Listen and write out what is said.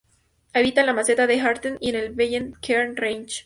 Habita en la meseta de Atherton y en el Bellenden-Ker Range.